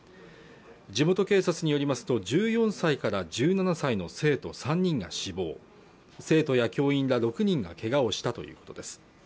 地元警察によりますと１４歳から１７歳の生徒３人が死亡生徒や教員ら６人がけがをしたということです